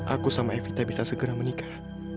aku sama evita bisa segera menikah